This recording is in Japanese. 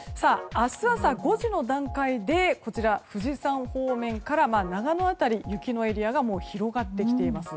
明日朝５時の段階で富士山方面から長野辺りに雪のエリアが広がってきています。